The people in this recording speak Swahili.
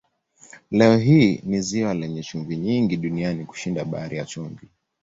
Leo hii ni ziwa lenye chumvi nyingi duniani kushinda Bahari ya Chumvi.